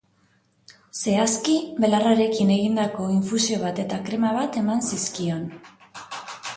Zehazki, belarrekin egindako infusio bat eta krema bat eman zizkion.